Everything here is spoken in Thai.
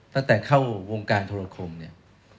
ตั้งแต่เข้าวงการโทรคมเนี่ย